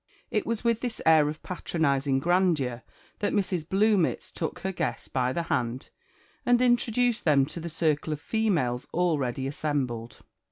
It was with this air of patronising grandeur that Mrs. Bluemits took her guests by the hand, and introduced them to the circle of females already assembled.